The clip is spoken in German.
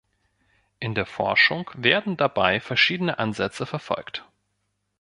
In der Forschung werden dabei verschiedene Ansätze verfolgt.